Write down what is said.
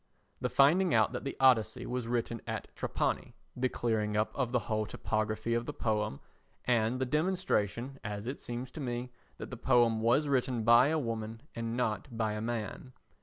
The finding out that the Odyssey was written at Trapani, the clearing up of the whole topography of the poem, and the demonstration, as it seems to me, that the poem was written by a woman and not by a man.